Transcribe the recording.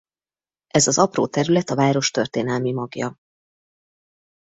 Ez az apró terület a város történelmi magja.